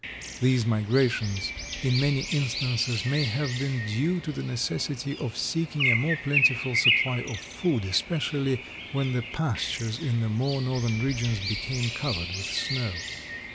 These migrations, in many instances, may have been due to the necessity of seeking a more plentiful supply of food, especially when the pastures in the more northern regions became covered with snow.